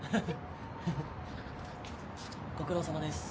ご苦労さまです。